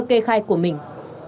kê khai của mình